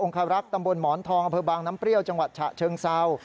คารักษ์ตำบลหมอนทองอำเภอบางน้ำเปรี้ยวจังหวัดฉะเชิงเศร้า